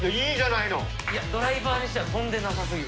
いやドライバーにしては飛んでなさすぎる。